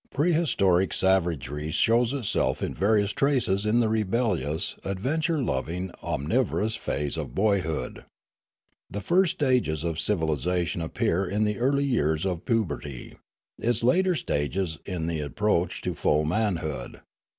Prehistoric savagery shows itself in various traces in the rebellious, adventure loving, omnivorous phase of boyhood. The first stages of civilisation appear in the early years of puberty; its later stages in the approach to full manhood.